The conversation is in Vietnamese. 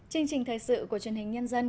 chương trình thay sự của truyền hình telezer